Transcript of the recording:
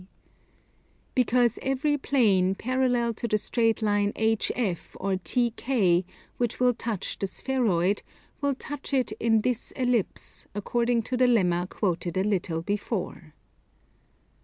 Because every plane, parallel to the straight line HF, or TK, which will touch the spheroid, will touch it in this ellipse, according to the Lemma quoted a little before.